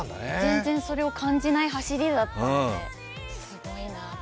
全然それを感じない走りだったので、すごいなと。